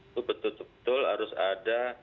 itu betul betul harus ada